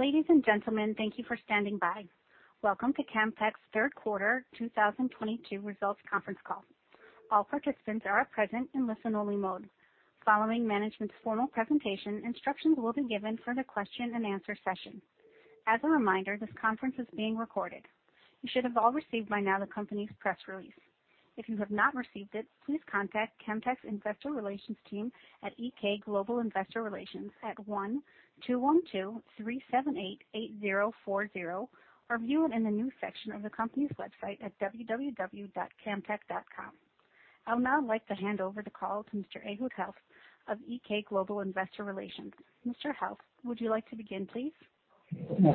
Ladies and gentlemen, thank you for standing by. Welcome to Camtek's third quarter 2022 results conference call. All participants are present in listen-only mode. Following management's formal presentation, instructions will be given for the question-and-answer session. As a reminder, this conference is being recorded. You should have all received by now the company's press release. If you have not received it, please contact Camtek's investor relations team at EK Global Investor Relations at 1 212 378 8040 or view it in the news section of the company's website at www.camtek.com. I'll now like to hand over the call to Mr. Ehud Helft of EK Global Investor Relations. Mr. Helft, would you like to begin, please?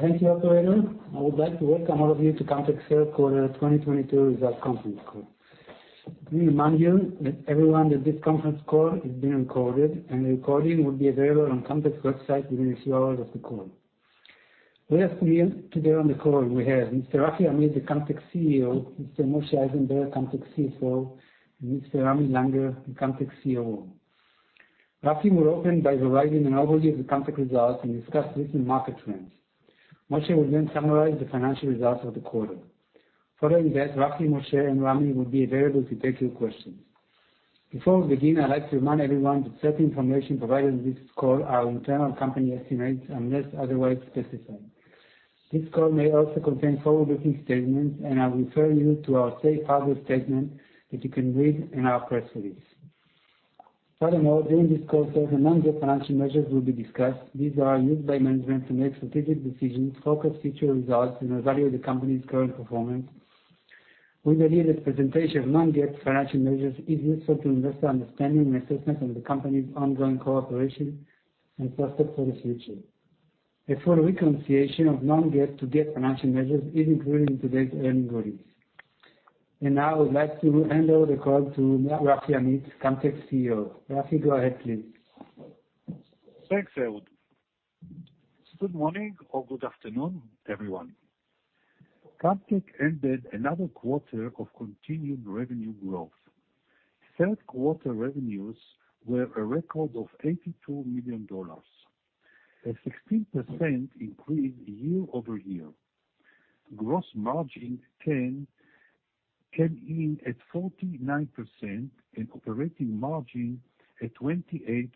Thank you, operator. I would like to welcome all of you to Camtek's third quarter 2022 results conference call. Let me remind everyone that this conference call is being recorded and the recording will be available on Camtek's website within a few hours of the call. With us today on the call, we have Mr. Rafi Amit, the Camtek CEO, Mr. Moshe Eisenberg, Camtek CFO, and Mr. Ramy Langer, the Camtek COO. Rafi will open by providing an overview of the Camtek results and discuss recent market trends. Moshe will then summarize the financial results of the quarter. Following that, Rafi, Moshe, and Ramy will be available to take your questions. Before we begin, I'd like to remind everyone that certain information provided in this call are internal company estimates, unless otherwise specified. This call may also contain forward-looking statements, and I refer you to our safe harbor statement that you can read in our press release. Furthermore, during this call, certain non-GAAP financial measures will be discussed. These are used by management to make strategic decisions, forecast future results, and evaluate the company's current performance. We believe that presentation of non-GAAP financial measures is useful to investor understanding and assessment of the company's ongoing operations and prospects for the future. A full reconciliation of non-GAAP to GAAP financial measures is included in today's earnings release. Now I would like to hand over the call to Rafi Amit, Camtek's CEO. Rafi, go ahead, please. Thanks, Ehud. Good morning or good afternoon, everyone. Camtek ended another quarter of continued revenue growth. Third quarter revenues were a record of $82 million, a 16% increase year-over-year. Gross margin came in at 49% and operating margin at 28.3%.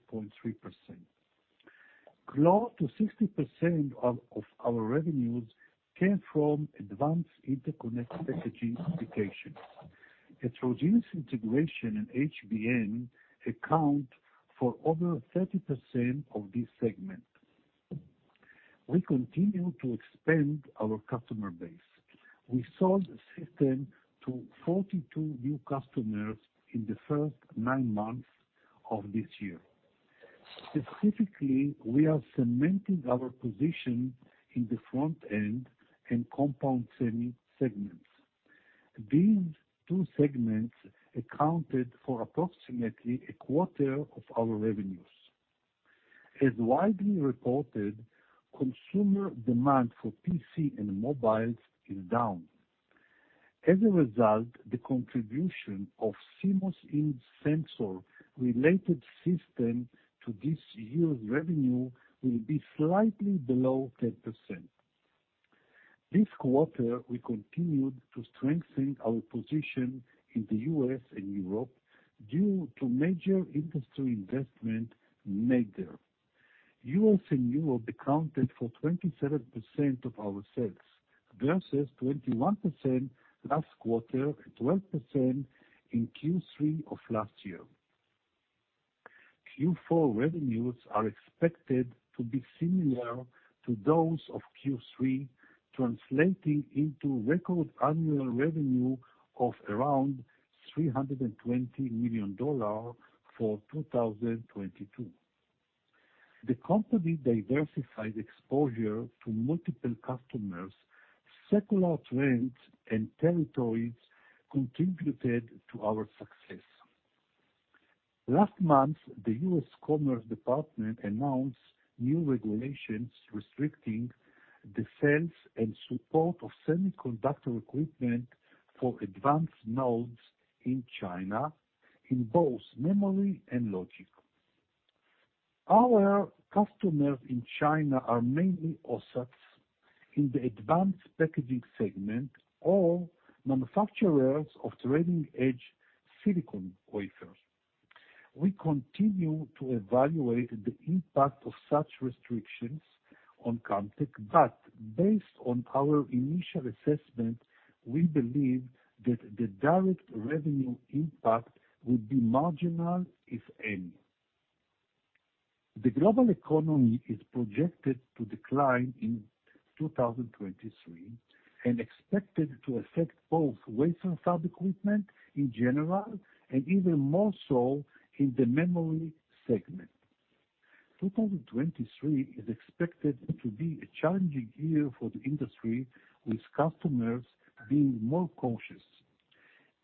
Close to 60% of our revenues came from advanced interconnect packaging applications. Heterogeneous integration and HBM account for over 30% of this segment. We continue to expand our customer base. We sold the system to 42 new customers in the first nine months of this year. Specifically, we are cementing our position in the front end and compound semi segments. These two segments accounted for approximately a quarter of our revenues. As widely reported, consumer demand for PC and mobiles is down. As a result, the contribution of CMOS image sensor related system to this year's revenue will be slightly below 10%. This quarter, we continued to strengthen our position in the U.S. and Europe due to major industry investment made there. U.S. and Europe accounted for 27% of our sales versus 21% last quarter and 12% in Q3 of last year. Q4 revenues are expected to be similar to those of Q3, translating into record annual revenue of around $320 million for 2022. The company diversified exposure to multiple customers. Secular trends and territories contributed to our success. Last month, the U.S. Commerce Department announced new regulations restricting the sales and support of semiconductor equipment for advanced nodes in China in both memory and logic. Our customers in China are mainly OSATs in the advanced packaging segment or manufacturers of trailing edge silicon wafers. We continue to evaluate the impact of such restrictions on Camtek, but based on our initial assessment, we believe that the direct revenue impact would be marginal, if any. The global economy is projected to decline in 2023 and expected to affect both wafer fab equipment in general and even more so in the memory segment. 2023 is expected to be a challenging year for the industry, with customers being more cautious.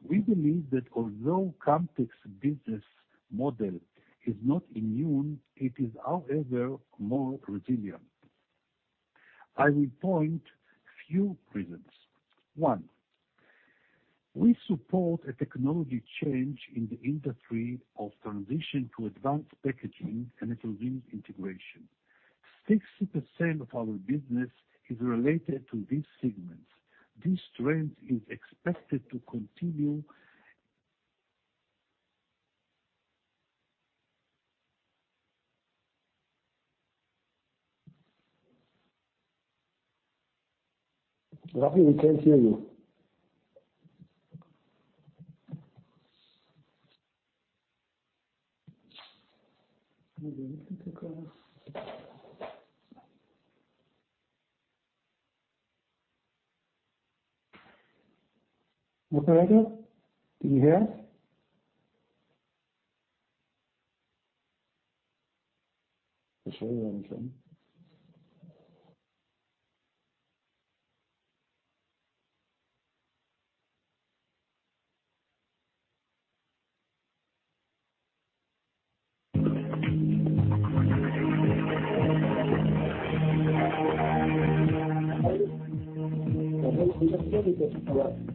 We believe that although Camtek's business model is not immune, it is however more resilient. I will point few reasons. We support a technology change in the industry of transition to advanced packaging and heterogeneous integration. 60% of our business is related to these segments. This trend is expected to continue. Rafi, we can't hear you. Ramy Langer, can you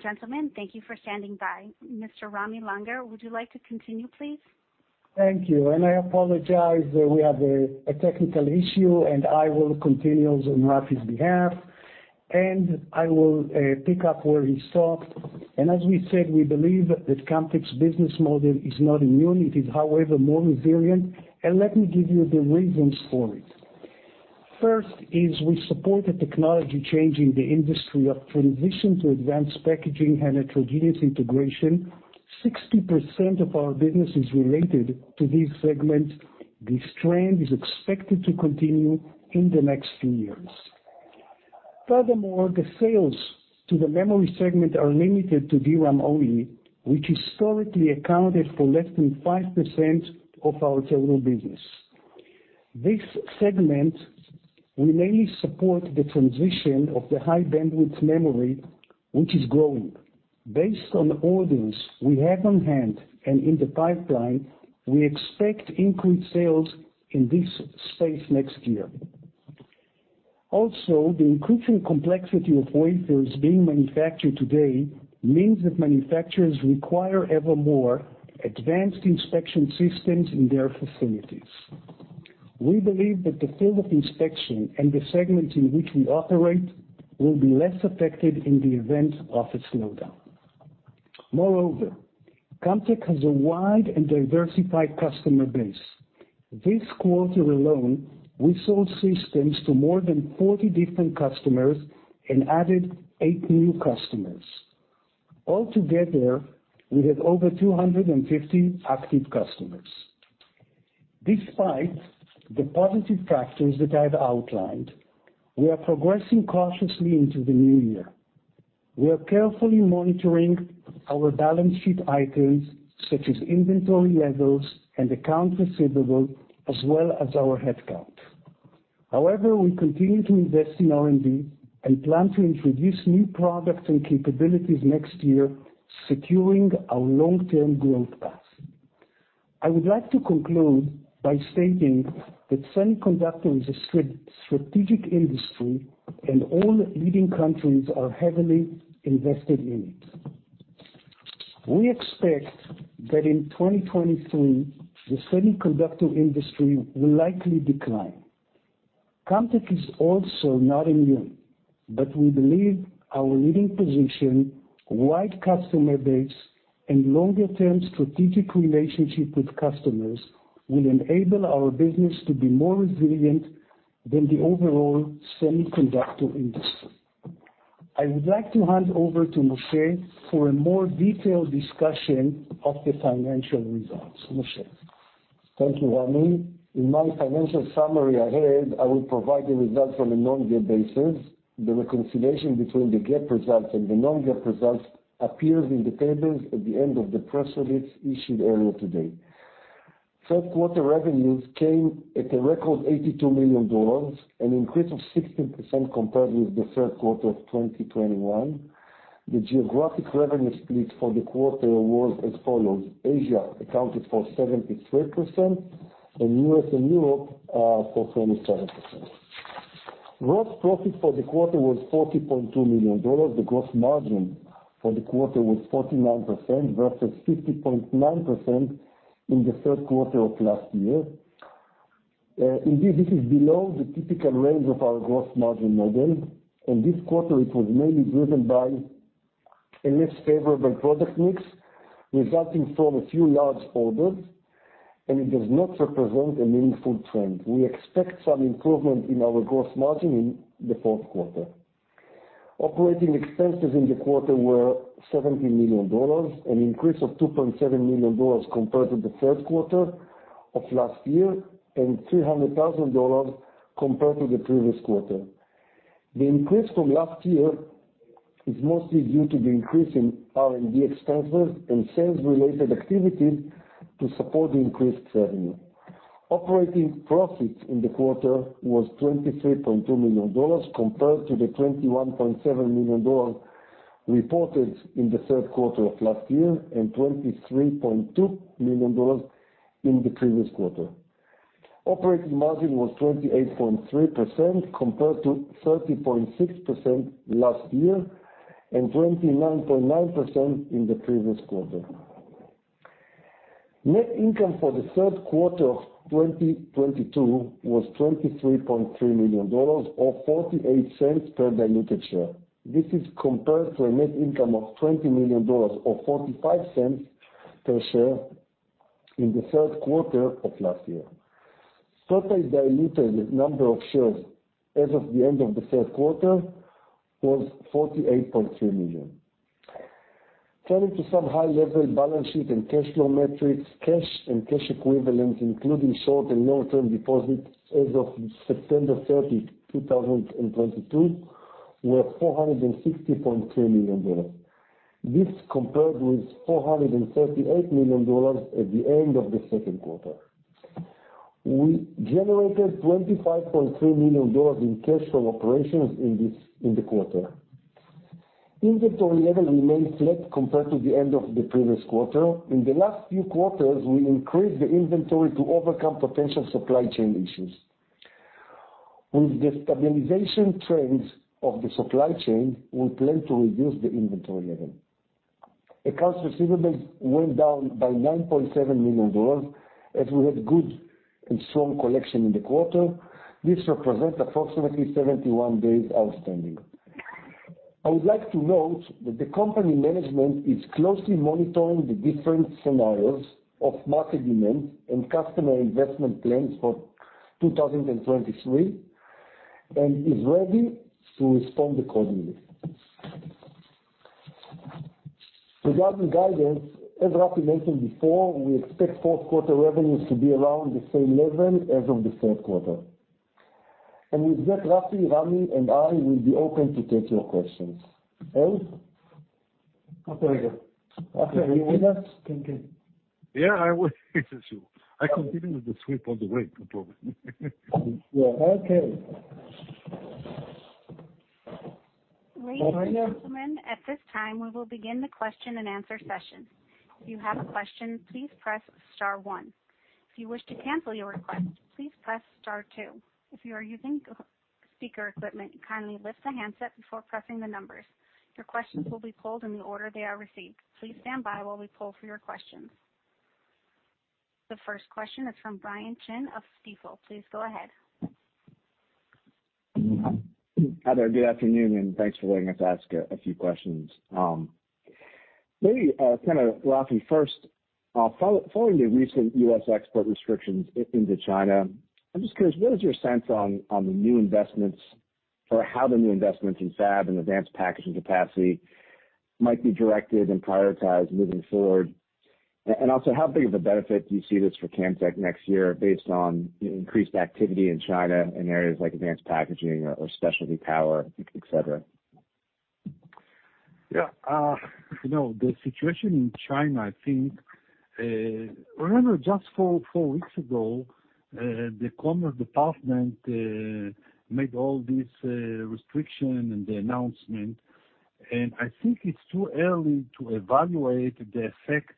hear us? Ladies and gentlemen, thank you for standing by. Mr. Ramy Langer, would you like to continue, please? Thank you. I apologize. We have a technical issue, and I will continue on Rafi's behalf, and I will pick up where he stopped. As we said, we believe that Camtek's business model is not immune. It is, however, more resilient. Let me give you the reasons for it. First is we support the technology change in the industry of transition to advanced packaging and heterogeneous integration. 60% of our business is related to this segment. This trend is expected to continue in the next few years. Furthermore, the sales to the memory segment are limited to DRAM only, which historically accounted for less than 5% of our total business. This segment will mainly support the transition of the High Bandwidth Memory, which is growing. Based on orders we have on hand and in the pipeline, we expect increased sales in this space next year. Also, the increasing complexity of wafers being manufactured today means that manufacturers require ever more advanced inspection systems in their facilities. We believe that the field of inspection and the segments in which we operate will be less affected in the event of a slowdown. Moreover, Camtek has a wide and diversified customer base. This quarter alone, we sold systems to more than 40 different customers and added eight new customers. Altogether, we have over 250 active customers. Despite the positive factors that I've outlined, we are progressing cautiously into the new year. We are carefully monitoring our balance sheet items such as inventory levels and accounts receivable, as well as our headcount. However, we continue to invest in R&D and plan to introduce new products and capabilities next year, securing our long-term growth path. I would like to conclude by stating that semiconductor is a strategic industry, and all leading countries are heavily invested in it. We expect that in 2023, the semiconductor industry will likely decline. Camtek is also not immune, but we believe our leading position, wide customer base, and longer-term strategic relationship with customers will enable our business to be more resilient than the overall semiconductor industry. I would like to hand over to Moshe for a more detailed discussion of the financial results. Moshe. Thank you, Ramy. In my financial summary ahead, I will provide the results on a non-GAAP basis. The reconciliation between the GAAP results and the non-GAAP results appears in the tables at the end of the press release issued earlier today. Third quarter revenues came at a record $82 million, an increase of 16% compared with the third quarter of 2021. The geographic revenue split for the quarter was as follows. Asia accounted for 73%, and U.S. and Europe for 27%. Gross profit for the quarter was $40.2 million. The gross margin for the quarter was 49% versus 50.9% in the third quarter of last year. Indeed, this is below the typical range of our gross margin model. In this quarter, it was mainly driven by a less favorable product mix resulting from a few large orders, and it does not represent a meaningful trend. We expect some improvement in our gross margin in the fourth quarter. Operating expenses in the quarter were $17 million, an increase of $2.7 million compared to the third quarter of last year, and $300 thousand compared to the previous quarter. The increase from last year is mostly due to the increase in R&D expenses and sales-related activity to support the increased revenue. Operating profits in the quarter was $23.2 million compared to the $21.7 million reported in the third quarter of last year and $23.2 million in the previous quarter. Operating margin was 28.3% compared to 30.6% last year and 29.9% in the previous quarter. Net income for the third quarter of 2022 was $23.3 million or $0.48 per diluted share. This is compared to a net income of $20 million or $0.45 per share in the third quarter of last year. Total diluted number of shares as of the end of the third quarter was 48.3 million. Turning to some high-level balance sheet and cash flow metrics. Cash and cash equivalents, including short- and long-term deposits as of September 30, 2022, were $460.3 million. This compared with $438 million at the end of the second quarter. We generated $25.3 million in cash from operations in the quarter. Inventory level remains flat compared to the end of the previous quarter. In the last few quarters, we increased the inventory to overcome potential supply chain issues. With the stabilization trends of the supply chain, we plan to reduce the inventory level. Accounts receivable went down by $9.7 million as we had good and strong collection in the quarter. This represents approximately 71 days outstanding. I would like to note that the company management is closely monitoring the different scenarios of market demand and customer investment plans for 2023 and is ready to respond accordingly. Regarding guidance, as Rafi mentioned before, we expect fourth quarter revenues to be around the same level as of the third quarter. With that, Rafi, Ramy, and I will be open to take your questions. Eli? Okay, good. Rafi, are you with us? Thank you. Yeah, I'm with you. I continue with the suite all the way to top. Yeah. Okay. Ladies and gentlemen, at this time, we will begin the question-and-answer session. If you have a question, please press star one. If you wish to cancel your request, please press star two. If you are using speakerphone equipment, kindly lift the handset before pressing the numbers. Your questions will be polled in the order they are received. Please stand by while we poll for your questions. The first question is from Brian Chin of Stifel. Please go ahead. Hi there. Good afternoon, and thanks for letting us ask a few questions. Maybe, kinda, Rafi, first, following the recent U.S. export restrictions into China, I'm just curious, what is your sense on the new investments or how the new investments in fab and advanced packaging capacity might be directed and prioritized moving forward? Also, how big of a benefit do you see this for Camtek next year based on increased activity in China in areas like advanced packaging or specialty power, et cetera? Yeah, you know, the situation in China, I think, remember just four weeks ago, the Commerce Department made all these restriction and the announcement, and I think it's too early to evaluate the effect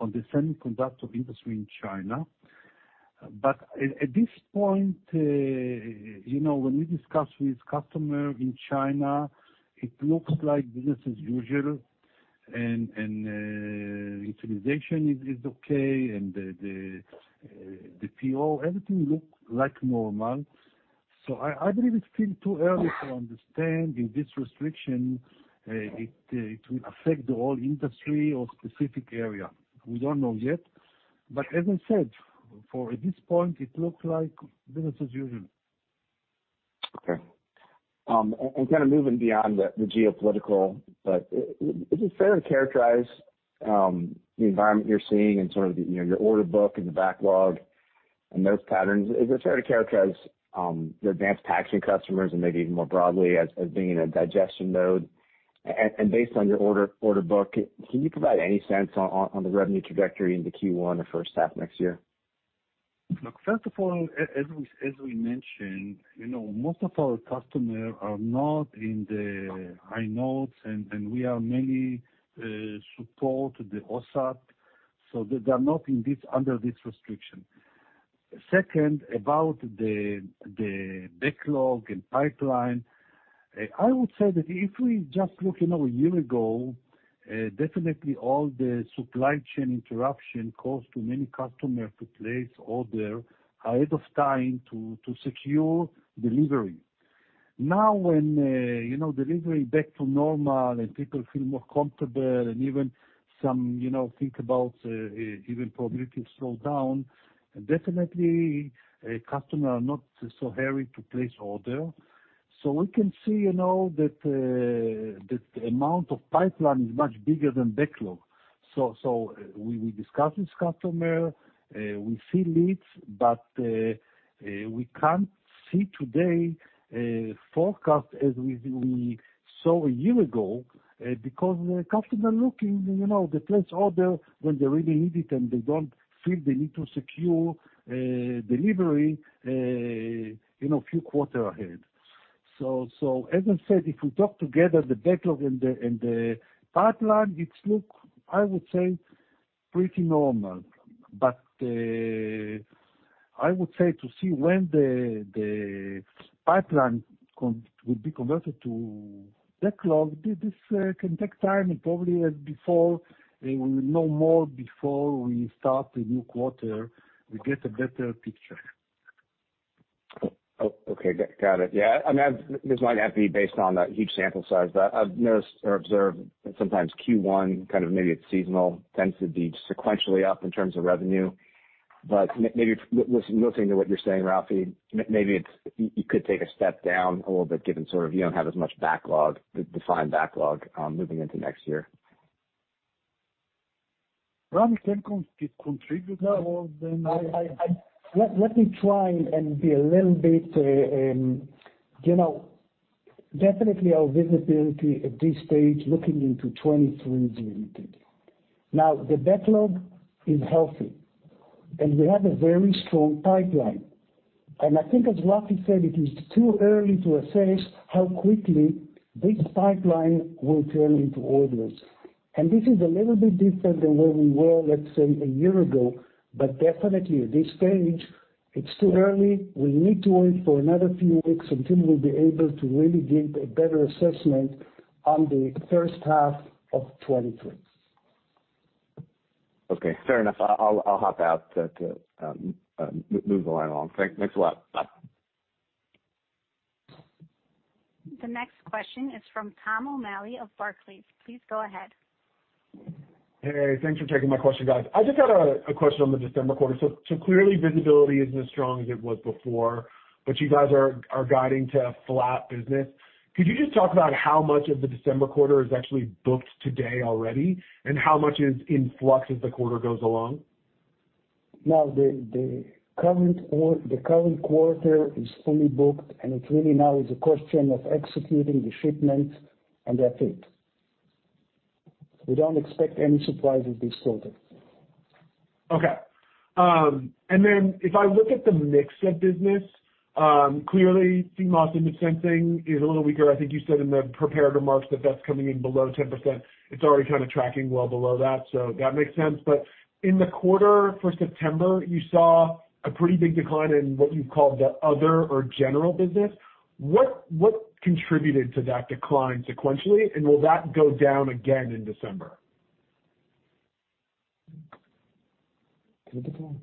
on the semiconductor industry in China. At this point, you know, when we discuss with customer in China, it looks like business as usual and utilization is okay, and the PO, everything look like normal. I believe it's still too early to understand in this restriction, it will affect the whole industry or specific area. We don't know yet. As I said before, at this point, it looks like business as usual. Okay. Kinda moving beyond the geopolitical, is it fair to characterize the environment you're seeing in sort of, you know, your order book and the backlog? Those patterns, is it fair to characterize the advanced packaging customers and maybe even more broadly as being in a digestion mode? Based on your order book, can you provide any sense on the revenue trajectory into Q1 or first half next year? Look, first of all, as we mentioned, you know, most of our customers are not in the high nodes, and we are mainly support the OSAT. They are not under this restriction. Second, about the backlog and pipeline, I would say that if we just look, you know, a year ago, definitely all the supply chain interruption caused too many customers to place order ahead of time to secure delivery. Now, when, you know, delivery back to normal and people feel more comfortable and even some, you know, think about even probably to slow down, definitely a customer are not so hurry to place order. We can see, you know, that the amount of pipeline is much bigger than backlog. We discuss with customer, we see leads, but we can't see today a forecast as we saw a year ago, because the customer looking, you know, they place order when they really need it, and they don't feel the need to secure delivery, you know, a few quarter ahead. As I said, if we talk together the backlog and the pipeline, it look, I would say, pretty normal. I would say to see when the pipeline will be converted to backlog, this can take time and probably before we know more before we start a new quarter, we get a better picture. Okay, got it. Yeah. I mean, this might not be based on a huge sample size, but I've noticed or observed that sometimes Q1, kind of maybe it's seasonal, tends to be sequentially up in terms of revenue. Maybe listening to what you're saying, Rafi, maybe you could take a step down a little bit given sort of you don't have as much backlog, defined backlog, moving into next year. Rafi can contribute now. You know, definitely our visibility at this stage, looking into 2023 is limited. Now, the backlog is healthy, and we have a very strong pipeline. I think as Rafi said, it is too early to assess how quickly this pipeline will turn into orders. This is a little bit different than where we were, let's say, a year ago. Definitely at this stage, it's too early. We need to wait for another few weeks until we'll be able to really give a better assessment on the first half of 2023. Okay, fair enough. I'll hop out to move the line along. Thanks a lot. Bye. The next question is from Thomas O'Malley of Barclays. Please go ahead. Hey, thanks for taking my question, guys. I just had a question on the December quarter. Clearly visibility isn't as strong as it was before, but you guys are guiding to flat business. Could you just talk about how much of the December quarter is actually booked today already, and how much is in flux as the quarter goes along? No, the current quarter is fully booked. It really now is a question of executing the shipment, and that's it. We don't expect any surprise this quarter. Okay. If I look at the mix of business, clearly CMOS image sensor is a little weaker. I think you said in the prepared remarks that that's coming in below 10%. It's already kind of tracking well below that, so that makes sense. In the quarter for September, you saw a pretty big decline in what you called the other or general business. What contributed to that decline sequentially, and will that go down again in December? To the decline?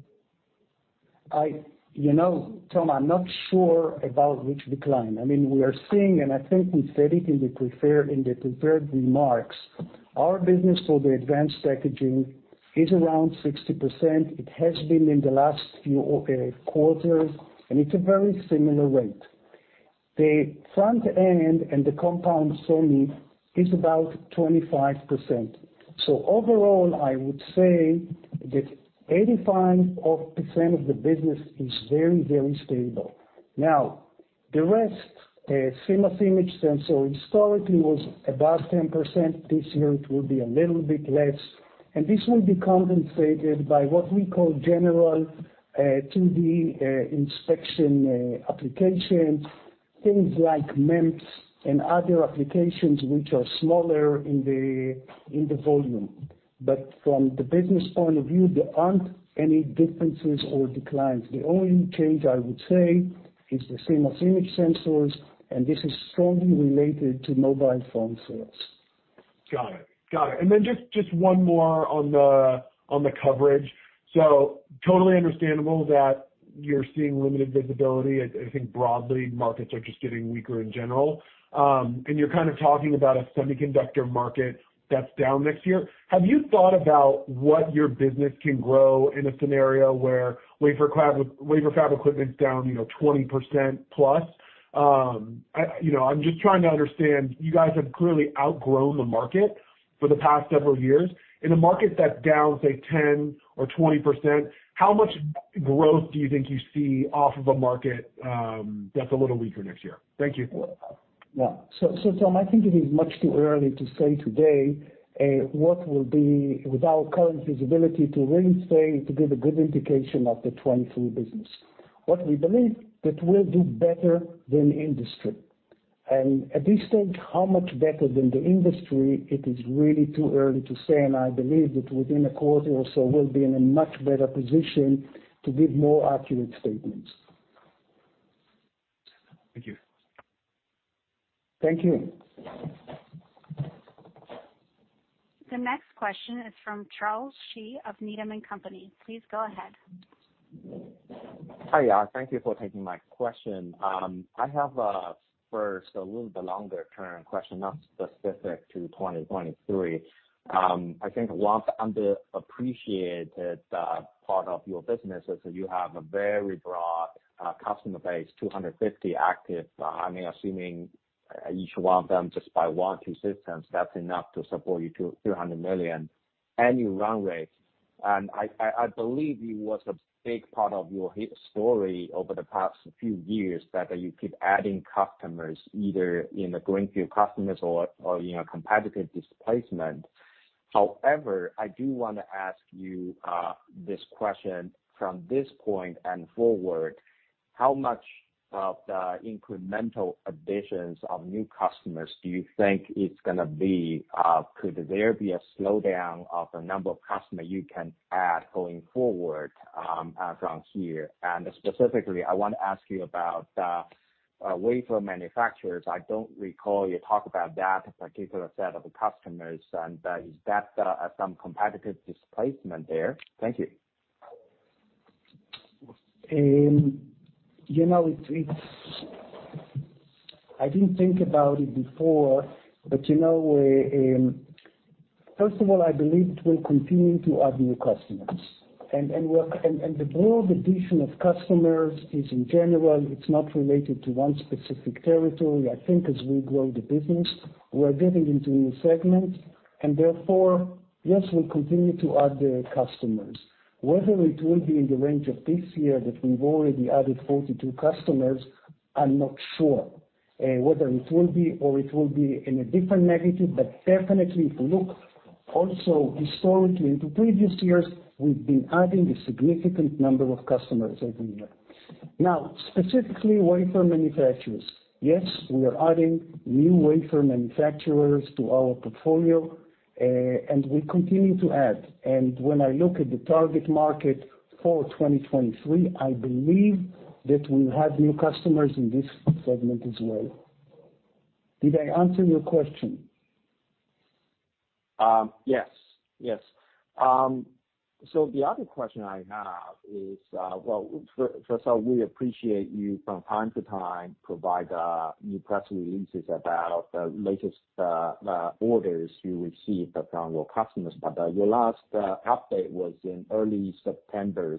You know, Tom, I'm not sure about which decline. I mean, we are seeing, and I think we said it in the prepared remarks, our business for the advanced packaging is around 60%. It has been in the last few quarters, and it's a very similar rate. The front end and the compound semiconductor is about 25%. Overall, I would say that 85% of the business is very, very stable. Now, the rest, CMOS image sensor historically was about 10%. This year it will be a little bit less, and this will be compensated by what we call general 2D inspection applications, things like MEMS and other applications which are smaller in the volume. From the business point of view, there aren't any differences or declines. The only change I would say is the CMOS image sensors, and this is strongly related to mobile phone sales. Got it. Got it. Just one more on the coverage. Totally understandable that you're seeing limited visibility. I think broadly, markets are just getting weaker in general. You're kind of talking about a semiconductor market that's down next year. Have you thought about what your business can grow in a scenario where wafer fab equipment is down, you know, 20%+? I, you know, I'm just trying to understand, you guys have clearly outgrown the market for the past several years. In a market that's down, say 10% or 20%, how much growth do you think you see off of a market that's a little weaker next year? Thank you. Yeah. Tom, I think it is much too early to say today, with our current visibility, to really say, to give a good indication of the 2023 business. What we believe, that we'll do better than industry. At this stage, how much better than the industry, it is really too early to say, and I believe that within a quarter or so, we'll be in a much better position to give more accurate statements. Thank you. Thank you. The next question is from Charles Shi of Needham & Company. Please go ahead. Hi. Thank you for taking my question. I have first a little bit longer term question, not specific to 2023. I think one underappreciated part of your business is that you have a very broad customer base, 250 active. I'm assuming each one of them just buy one, two systems, that's enough to support you to $300 million annual run rate. I believe it was a big part of your story over the past few years that you keep adding customers, either in the greenfield customers or, you know, competitive displacement. However, I do wanna ask you this question from this point and forward, how much of the incremental additions of new customers do you think it's gonna be? Could there be a slowdown of the number of customer you can add going forward from here? Specifically, I wanna ask you about wafer manufacturers. I don't recall you talk about that particular set of customers. Is that some competitive displacement there? Thank you. You know, I didn't think about it before, but, you know, first of all, I believe we'll continue to add new customers. The broad addition of customers is in general, it's not related to one specific territory. I think as we grow the business, we're getting into new segments. Therefore, yes, we'll continue to add the customers. Whether it will be in the range of this year that we've already added 42 customers, I'm not sure. Whether it will be or it will be in a different magnitude, but definitely, if you look also historically into previous years, we've been adding a significant number of customers every year. Now, specifically wafer manufacturers. Yes, we are adding new wafer manufacturers to our portfolio, and we continue to add. When I look at the target market for 2023, I believe that we'll have new customers in this segment as well. Did I answer your question? Yes. Yes. The other question I have is, well, first of all, we appreciate you from time to time provide new press releases about the latest orders you received from your customers. Your last update was in early September.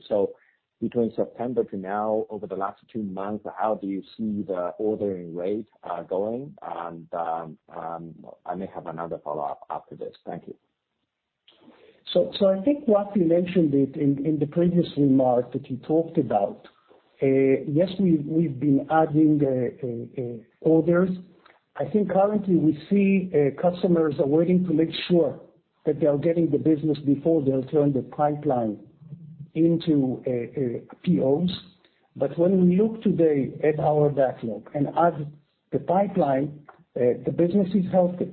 Between September to now, over the last two months, how do you see the ordering rate going? I may have another follow-up after this. Thank you. I think Rafi Amit mentioned it in the previous remark that he talked about. Yes, we've been adding orders. I think currently we see customers are waiting to make sure that they are getting the business before they'll turn the pipeline into POs. When we look today at our backlog and at the pipeline, the business is healthy.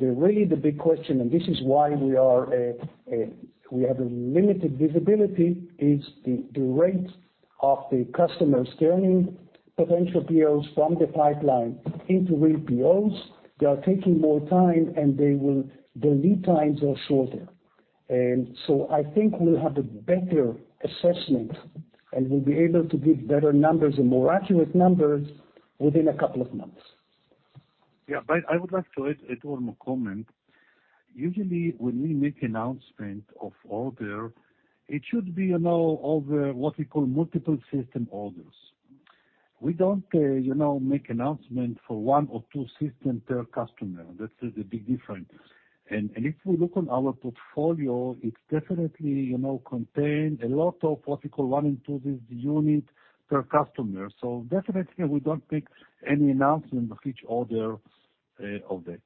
Really the big question, and this is why we have a limited visibility, is the rate of the customers turning potential POs from the pipeline into real POs. They are taking more time, and the lead times are shorter. I think we'll have a better assessment, and we'll be able to give better numbers and more accurate numbers within a couple of months. Yeah. I would like to add one more comment. Usually, when we make announcement of order, it should be, you know, of what we call multiple system orders. We don't, you know, make announcement for one or two system per customer. That is a big difference. If we look on our portfolio, it definitely, you know, contain a lot of what we call one and two unit per customer. Definitely, we don't make any announcement of each order of that.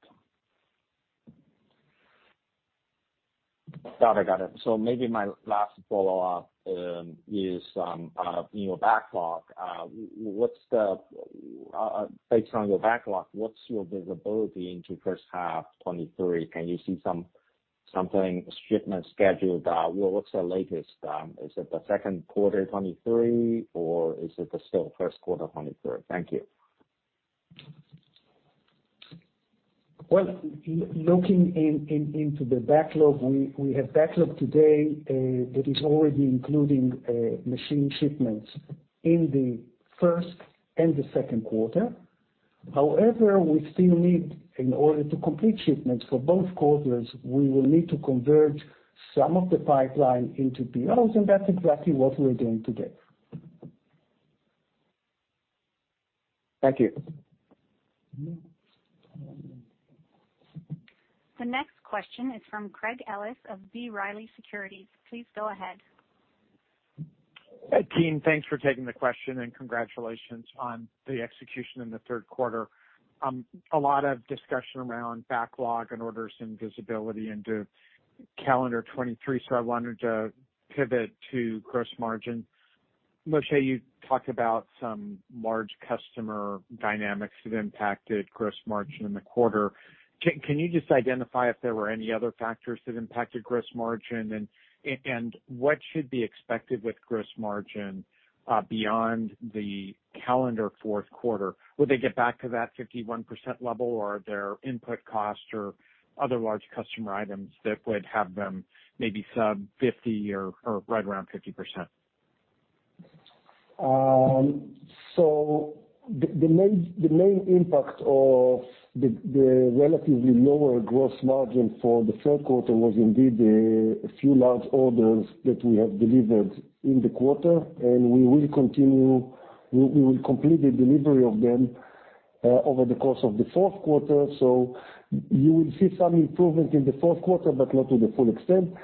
Got it. Maybe my last follow-up is in your backlog. Based on your backlog, what's your visibility into first half 2023? Can you see something shipment scheduled? What's the latest, is it the second quarter 2023, or is it still first quarter 2023? Thank you. Well, looking into the backlog, we have backlog today that is already including machine shipments in the first and the second quarter. However, in order to complete shipments for both quarters, we will need to convert some of the pipeline into POs, and that's exactly what we're doing today. Thank you. The next question is from Craig Ellis of B. Riley Securities. Please go ahead. Hi, Kenny. Thanks for taking the question, and congratulations on the execution in the third quarter. A lot of discussion around backlog and orders and visibility into calendar 2023, so I wanted to pivot to gross margin. Moshe, you talked about some large customer dynamics that impacted gross margin in the quarter. Can you just identify if there were any other factors that impacted gross margin? What should be expected with gross margin beyond the calendar fourth quarter? Will they get back to that 51% level, or are there input costs or other large customer items that would have them maybe sub 50% or right around 50%? The main impact of the relatively lower gross margin for the third quarter was indeed a few large orders that we have delivered in the quarter, and we will complete the delivery of them over the course of the fourth quarter. You will see some improvement in the fourth quarter, but not to the full extent.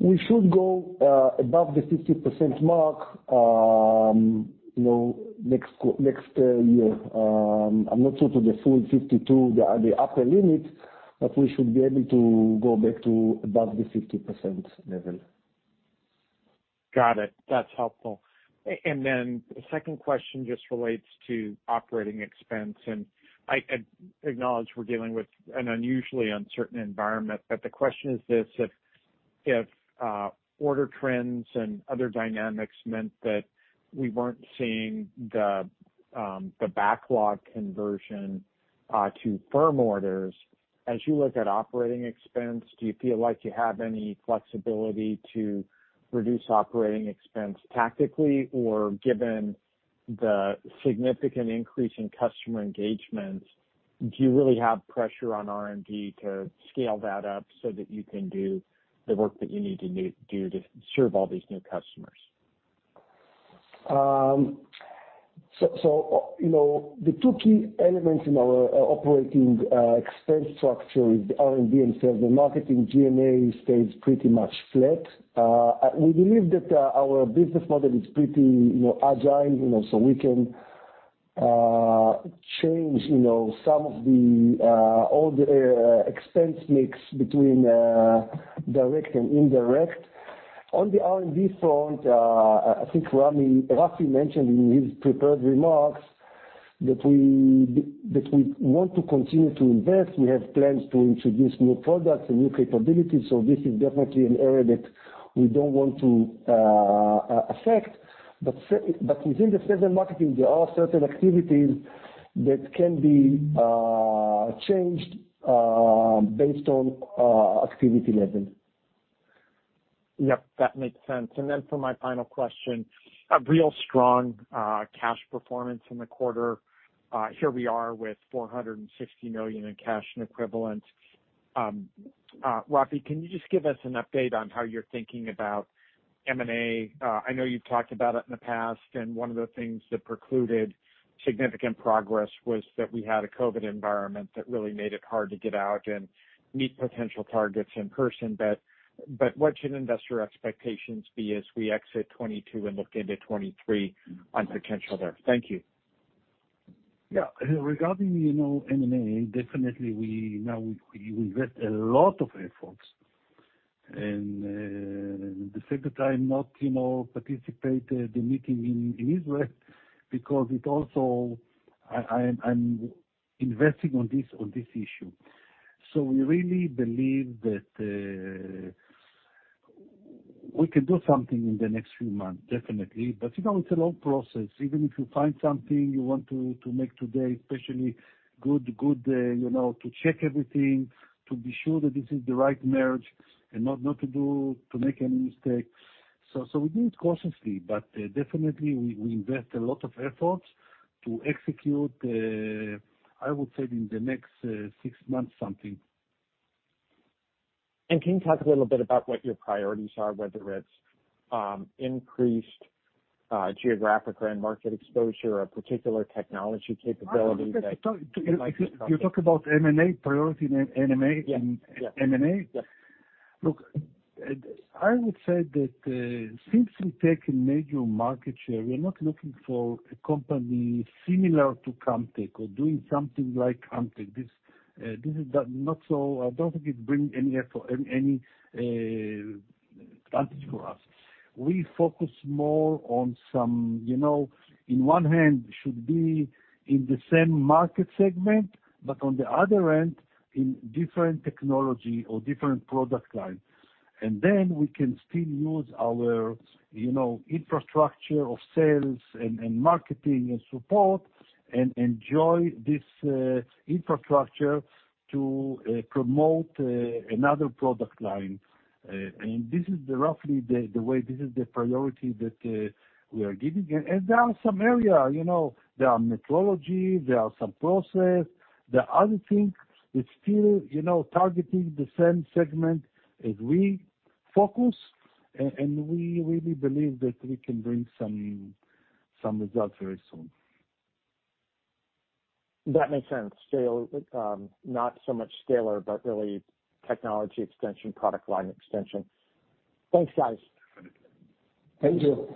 We should go above the 50% mark, you know, next year. I'm not sure to the full 52%, the upper limit, but we should be able to go back to above the 50% level. Got it. That's helpful. The second question just relates to operating expense. I acknowledge we're dealing with an unusually uncertain environment, but the question is this. If order trends and other dynamics meant that we weren't seeing the backlog conversion to firm orders, as you look at operating expense, do you feel like you have any flexibility to reduce operating expense tactically? Given the significant increase in customer engagements, do you really have pressure on R&D to scale that up so that you can do the work that you need to do to serve all these new customers? You know, the two key elements in our operating expense structure is R&D and sales and marketing. G&A stays pretty much flat. We believe that our business model is pretty, you know, agile, you know, so we can change, you know, all the expense mix between direct and indirect. On the R&D front, I think Rafi mentioned in his prepared remarks that we want to continue to invest. We have plans to introduce new products and new capabilities, so this is definitely an area that we don't want to affect. Within the sales and marketing, there are certain activities that can be changed based on activity level. Yep, that makes sense. For my final question, a real strong cash performance in the quarter. Here we are with $460 million in cash and equivalents. Rafi, can you just give us an update on how you're thinking about M&A? I know you've talked about it in the past, and one of the things that precluded significant progress was that we had a COVID environment that really made it hard to get out and meet potential targets in person. What should investor expectations be as we exit 2022 and look into 2023 on potential there? Thank you. Yeah. Regarding, you know, M.&A., definitely we invest a lot of efforts. The second time not, you know, participate the meeting in Israel because it also I'm investing on this issue. We really believe that we can do something in the next few months, definitely. You know, it's a long process. Even if you find something you want to make today, especially good, you know, to check everything, to be sure that this is the right merge and not to make any mistakes. We do it cautiously, but definitely we invest a lot of efforts to execute, I would say in the next six months, something. Can you talk a little bit about what your priorities are, whether it's increased geographic or end market exposure or particular technology capabilities? You talk about M&A priority and M&A? Yeah. Look, I would say that, since we take a major market share, we're not looking for a company similar to Camtek or doing something like Camtek. I don't think it bring any advantage for us. We focus more on some, you know, in one hand should be in the same market segment, but on the other end, in different technology or different product lines. We can still use our, you know, infrastructure of sales and marketing and support and enjoy this infrastructure to promote another product line. This is roughly the way, this is the priority that we are giving. There are some area, you know, there are metrology, there are some process. The other thing is still, you know, targeting the same segment as we focus, and we really believe that we can bring some results very soon. That makes sense. Scale, not so much scalar, but really technology extension, product line extension. Thanks, guys. Thank you.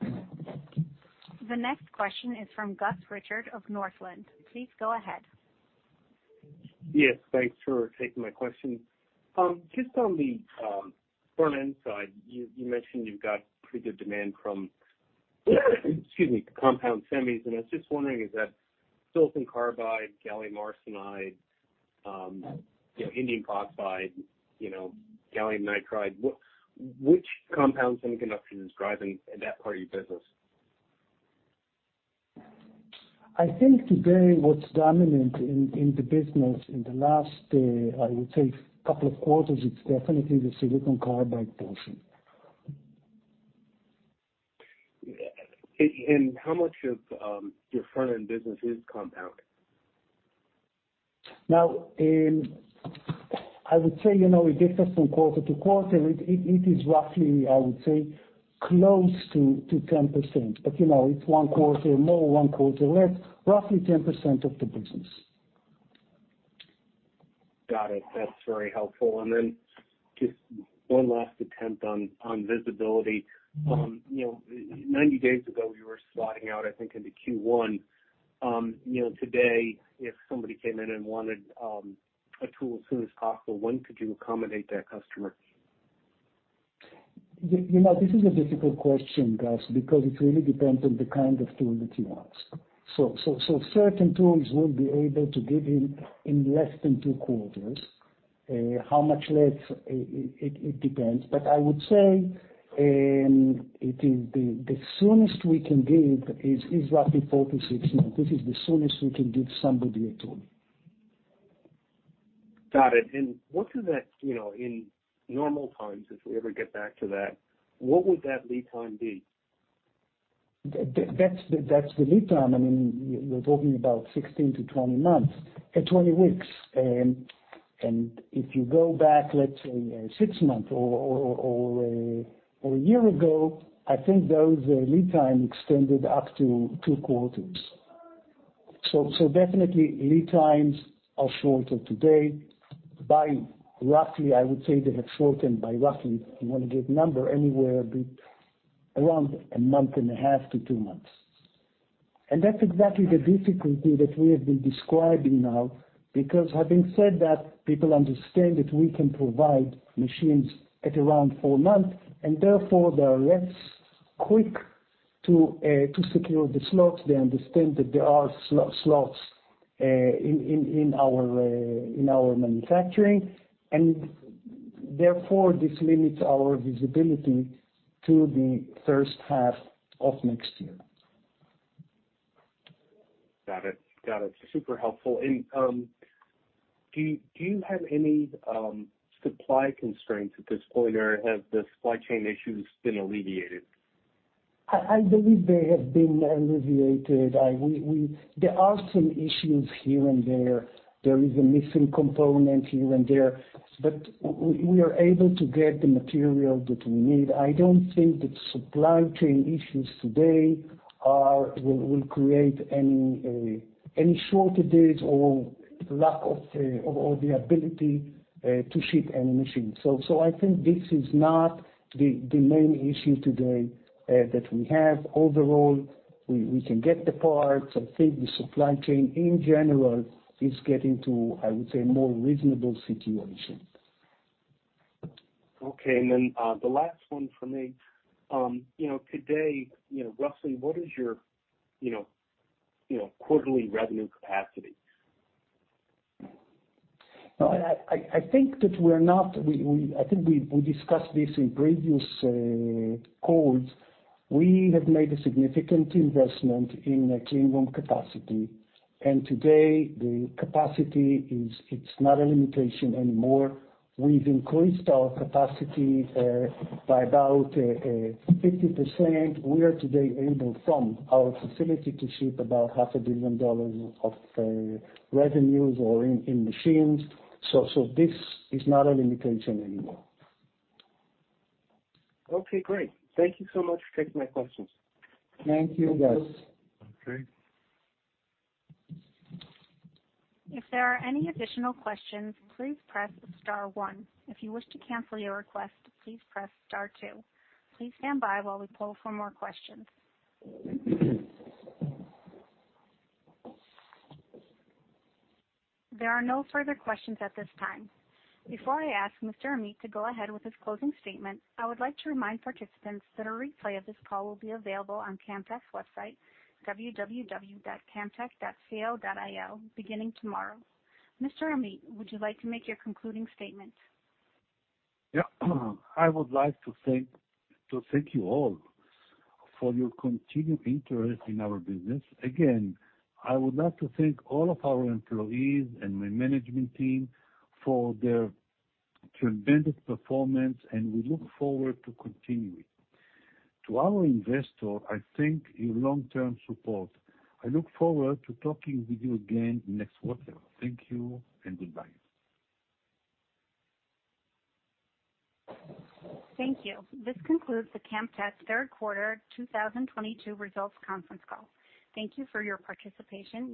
The next question is from Gus Richard of Northland. Please go ahead. Yes, thanks for taking my question. Just on the front-end side, you mentioned you've got pretty good demand from, excuse me, compound semis, and I was just wondering, is that silicon carbide, gallium arsenide, you know, indium phosphide, you know, gallium nitride? Which compound semiconductor is driving that part of your business? I think today what's dominant in the business in the last, I would say, couple of quarters, it's definitely the silicon carbide portion. How much of your front-end business is compound? Now, I would say, you know, it differs from quarter to quarter. It is roughly, I would say, close to 10%. You know, it's one quarter more, one quarter less. Roughly 10% of the business. Got it. That's very helpful. Just one last attempt on visibility. You know, 90 days ago you were slotting out, I think, into Q1. You know, today, if somebody came in and wanted a tool as soon as possible, when could you accommodate that customer? You know, this is a difficult question, Gus, because it really depends on the kind of tool that he wants. Certain tools we'll be able to give him in less than two quarters. How much less? It depends. I would say it is the soonest we can give is roughly four-six months. This is the soonest we can give somebody a tool. Got it. You know, in normal times, if we ever get back to that, what would that lead time be? That's the lead time. I mean, we're talking about 16 weeks-20 weeks. If you go back, let's say six months or a year ago, I think those lead time extended up to two quarters. Definitely lead times are shorter today by roughly, I would say they have shortened by roughly, if you want to give number, anywhere a bit around a month and a half to two months. That's exactly the difficulty that we have been describing now, because having said that, people understand that we can provide machines at around four months and therefore they are less quick to secure the slots. They understand that there are slots in our manufacturing, and therefore this limits our visibility to the first half of next year. Got it. Super helpful. Do you have any supply constraints at this point, or have the supply chain issues been alleviated? I believe they have been alleviated. There are some issues here and there. There is a missing component here and there, but we are able to get the material that we need. I don't think that supply chain issues today will create any shortages or lack of or the ability to ship any machines. I think this is not the main issue today that we have. Overall, we can get the parts. I think the supply chain in general is getting to, I would say, more reasonable situation. Okay. The last one from me. You know, today, you know, roughly what is your, you know, quarterly revenue capacity? I think we discussed this in previous calls. We have made a significant investment in clean room capacity, and today the capacity is not a limitation anymore. We've increased our capacity by about 50%. We are today able, from our facility, to ship about half a billion dollars of revenues or in machines. This is not a limitation anymore. Okay, great. Thank you so much for taking my questions. Thank you, Gus Richard. If there are any additional questions, please press star one. If you wish to cancel your request, please press star two. Please stand by while we poll for more questions. There are no further questions at this time. Before I ask Mr. Amit to go ahead with his closing statement, I would like to remind participants that a replay of this call will be available on Camtek's website, www.camtek.com, beginning tomorrow. Mr. Amit, would you like to make your concluding statement? Yeah. I would like to thank you all for your continued interest in our business. Again, I would like to thank all of our employees and my management team for their tremendous performance, and we look forward to continuing. To our investors, I thank your long-term support. I look forward to talking with you again next quarter. Thank you and goodbye. Thank you. This concludes the Camtek third quarter 2022 results conference call. Thank you for your participation.